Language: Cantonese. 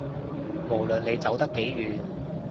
無論你走得幾遠